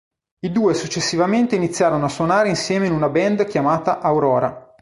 I due successivamente iniziarono a suonare insieme in una band chiamata Aurora.